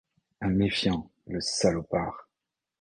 Un méfiant, le salopard !